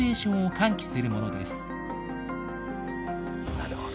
なるほど。